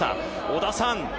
織田さん